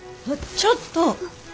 ちょっと！